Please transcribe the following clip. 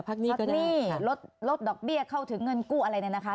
พักหนี้ก็ได้ลดลดดอกเบี้ยเข้าถึงเงินกู้อะไรแน่นะคะ